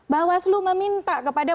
bawaslu meminta kepada